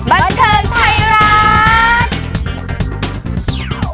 บันเทิงไทยรัฐ